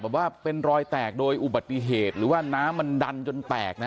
ว่าเป็นรอยแตกโดยอุบัติเหตุหรือว่าน้ำมันดันจนแตกนะ